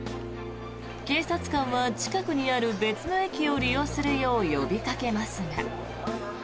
警察官は近くにある別の駅を利用するよう呼びかけますが。